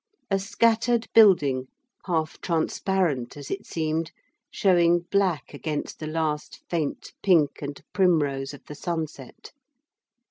A scattered building, half transparent as it seemed, showing black against the last faint pink and primrose of the sunset.